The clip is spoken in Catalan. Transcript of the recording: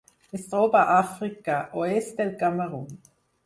Es troba a Àfrica: oest del Camerun.